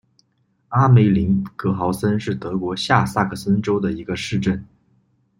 阿梅林格豪森是德国下萨克森州的一个市镇。